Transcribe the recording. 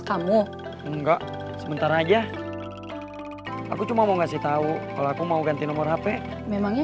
kamu enggak sementara aja aku cuma mau ngasih tau kalau aku mau ganti nomor hp memangnya